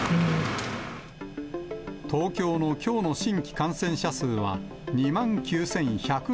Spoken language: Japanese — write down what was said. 東京のきょうの新規感染者数は、２万９１１５人。